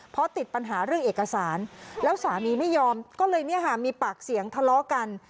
เพราะติดปัญหาเรื่องเอกสารแล้วสามีไม่ยอมก็เลยเนี่ยค่ะมีปากเสียงทะเลาะกัน